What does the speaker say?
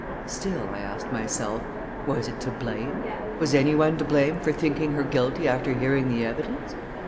Still, I asked myself, was it to blame? Was anyone to blame for thinking her guilty after hearing the evidence?